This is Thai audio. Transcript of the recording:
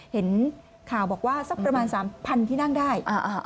เห็นข่าวบอกว่าสักประมาณ๓๐๐ที่นั่งได้